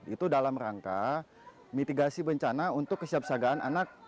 itu dalam rangka mitigasi bencana untuk kesiapsagaan anak